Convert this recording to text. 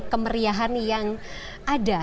kemeriahan yang ada